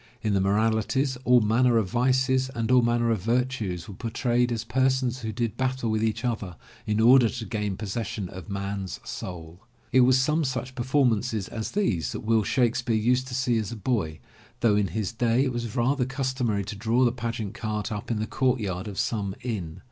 In the moralities, all manner of Vices and all manner of Virtues were por trayed as persons who did battle with each other in order to gain possession of man*s soul. It was some such performances as these that Will Shakespeare used to see as a boy, though in his day it was rather customary to draw the pageant cart up in the courtyard of some inn.